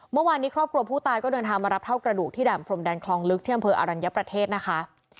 เมื่อวานนี้ครอบครัวผู้ตายก็เดินทางมารับเท่ากระดูกที่ด่านพรมแดนคลองลึกที่อำเภออรัญญประเทศนะคะ